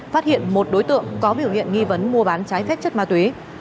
phát hiện một đối tượng có biểu hiện nghi vấn mua bán trái phép chất ma túy